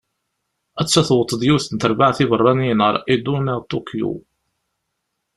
Atta tewweḍ-d yiwet n terbaεt ibeṛṛaniyen ɣer Edo, neɣ Ṭukyu.